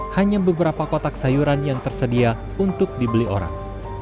hanya beberapa kotak sayuran yang tersedia untuk dibeli orang